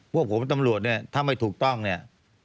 พวกผมตำรวจเนี่ยถ้าไม่ถูกต้องเนี่ย